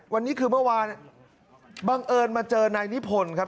วันนี้คือเมื่อวานบังเอิญมาเจอนายนิพนธ์ครับ